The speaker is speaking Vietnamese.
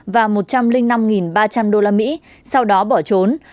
hương đã thu tiền của năm ba trăm linh đô la mỹ sau đó bỏ trốn